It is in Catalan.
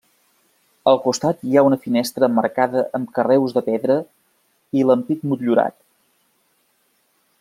Al costat hi ha una finestra emmarcada amb carreus de pedra i l'ampit motllurat.